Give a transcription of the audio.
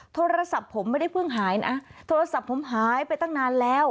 โทรศัพท์ผมไม่ได้เพิ่งหายนะโทรศัพท์ผมหายไปตั้งนานแล้ว